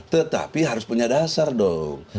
tetapi harus punya dasar dong